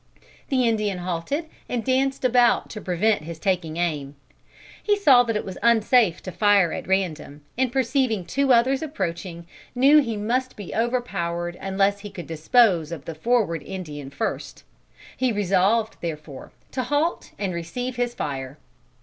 The Indian halted and danced about to prevent his taking aim. He saw that it was unsafe to fire at random, and perceiving two others approaching, knew that he must be overpowered unless he could dispose of the forward Indian first. He resolved, therefore, to halt and receive his fire.